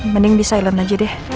mending di silent aja deh